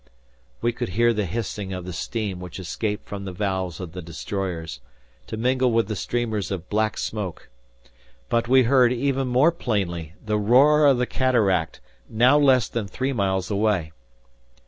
We could hear the hissing of the steam which escaped from the valves of the destroyers, to mingle with the streamers of black smoke. But we heard, even more plainly, the roar of the cataract, now less than three miles away.